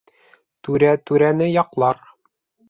Түрә түрәне яҡлар.